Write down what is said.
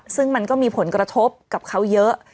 ซึ่งมันก็มีผลกระทบกับเขาเยอะ